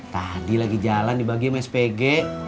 tadi lagi jalan dibagi sama spg